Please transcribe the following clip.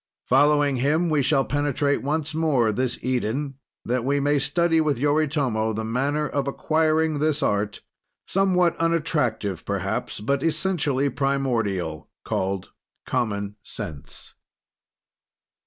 Following him, we shall penetrate once more this Eden, that we may study with Yoritomo the manner of acquiring this art somewhat unattractive perhaps but essentially primordial called Common Sense.